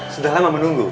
sudah lama menunggu